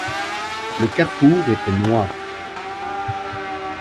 Le carrefour était noir.